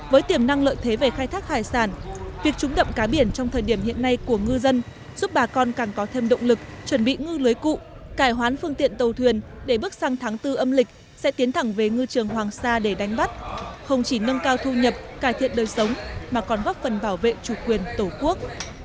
với tiềm năng lợi thế về khai thác hải sản việc trúng đậm cá biển trong thời điểm hiện nay của ngư dân giúp bà con càng có thêm động lực chuẩn bị ngư lưới cụ cải hoán phương tiện tàu thuyền để bước sang tháng bốn âm lịch sẽ tiến thẳng về ngư trường hoàng sa để đánh bắt không chỉ nâng cao thu nhập cải thiện đời sống mà còn góp phần bảo vệ chủ quyền tổ quốc